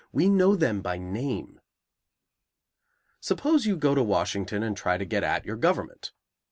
We know them by name. Suppose you go to Washington and try to get at your government.